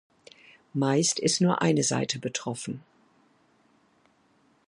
Meist ist nur eine Seite betroffen.